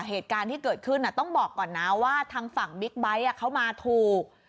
เหตุการณ์ที่เกิดขึ้นต้องบอกก่อนนะว่าทางฝั่งบิ๊กไบท์เขามาถูก